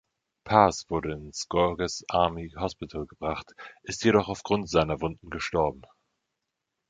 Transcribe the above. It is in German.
Paz wurde ins Gorgas Army Hospital gebracht, ist jedoch aufgrund seiner Wunden gestorben.